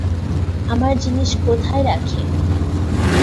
আমার জিনিস কোথায় রাখে!